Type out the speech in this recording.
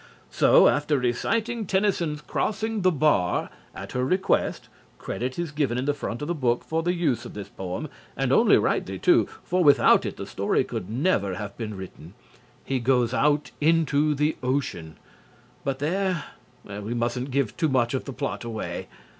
So, after reciting Tennyson's "Crossing the Bar," at her request (credit is given in the front of the book for the use of this poem, and only rightly too, for without it the story could never have been written), he goes out into the ocean. But there we mustn't give too much of the plot away.